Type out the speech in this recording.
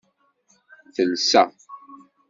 Telsa.